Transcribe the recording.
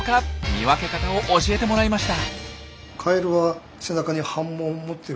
見分け方を教えてもらいました。